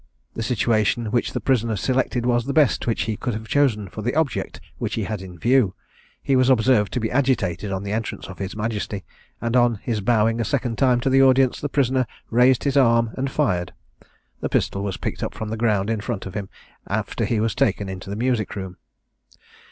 The situation which the prisoner selected was the best which he could have chosen for the object which he had in view; he was observed to be agitated on the entrance of his Majesty; and on his bowing a second time to the audience, the prisoner raised his arm and fired. The pistol was picked up from the ground in front of him, after he was taken into the music room.